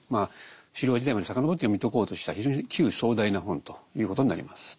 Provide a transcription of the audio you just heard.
狩猟時代まで遡って読み解こうとした非常に気宇壮大な本ということになります。